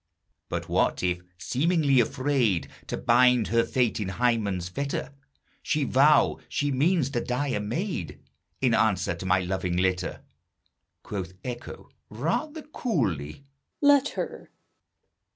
But what if, seemingly afraid To bind her fate in Hymen's fetter, She vow she means to die a maid, In answer to my loving letter? Quoth Echo, rather coolly, "Let her!"